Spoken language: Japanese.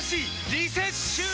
リセッシュー！